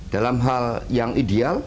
dalam hal yang ideal